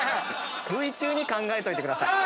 Ｖ中に考えといてください。